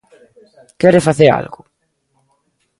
¿Quere facer algo?